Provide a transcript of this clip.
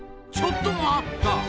ちょっと待った！